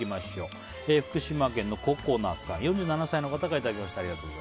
福島県の４７歳の方からいただきました。